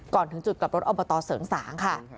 ถึงจุดกลับรถอบตเสริงสางค่ะ